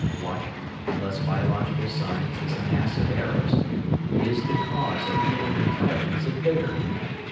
What, unless biological science is a mass of errors, is the cause of human intelligence and vigour?